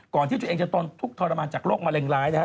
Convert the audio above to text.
ที่ตัวเองจะตนทุกข์ทรมานจากโรคมะเร็งร้ายนะฮะ